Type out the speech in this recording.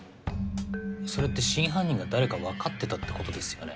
それって真犯人が誰かわかってたってことですよね？